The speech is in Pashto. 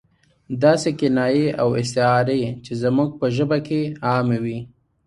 داسې کنایې او استعارې چې زموږ په ژبه کې عامې وي.